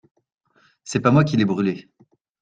C'est pas moi qui l'ai brûlée.